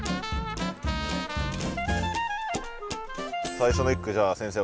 最初の１句じゃあ先生